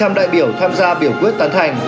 với một trăm linh đại biểu tham gia biểu quyết tàn thành